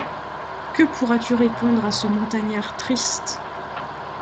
Que pourras-tu répondre à ce montagnard triste ?